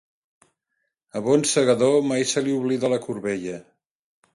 Al bon segador mai se li oblida la corbella.